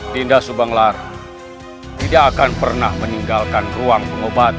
dinda subanglar tidak akan pernah meninggalkan ruang pengobatan